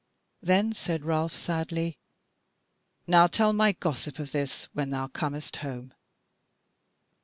Then said Ralph, sadly: "Now tell my gossip of this when thou comest home."